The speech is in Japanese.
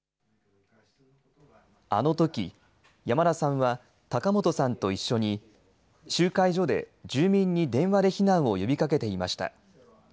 あのとき、山田さんは高本さんと一緒に、集会所で住民に電話で避難を呼びかけていました。